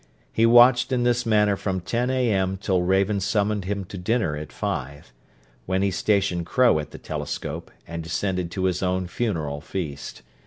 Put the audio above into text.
He watched in this manner from ten A.M. till Raven summoned him to dinner at five; when he stationed Crow at the telescope, and descended to his own funeral feast.